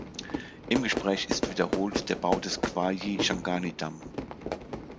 Im Gespräch ist wiederholt der Bau des Gwayi-Shangani-Damm.